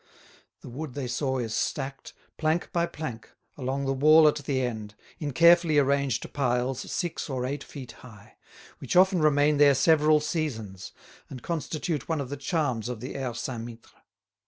The wood they saw is stacked, plank by plank, along the wall at the end, in carefully arranged piles six or eight feet high, which often remain there several seasons, and constitute one of the charms of the Aire Saint Mittre.